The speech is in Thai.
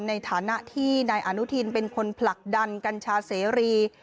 ในฐานะที่นายอนุทินเป็นคนผลักดันกัญชาเสรี